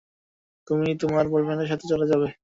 তুমিও তোমার বয়ফ্রেন্ডের সাথে চলে যাবে।